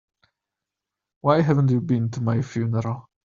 Why haven't you been to my funeral?